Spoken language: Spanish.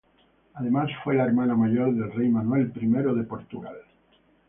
Además fue la hermana mayor del rey Manuel I de Portugal.